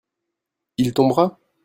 Il tombera ?